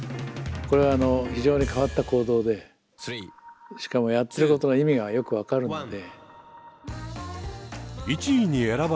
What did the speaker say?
これは非常に変わった行動でしかもやってることの意味がよく分かるので。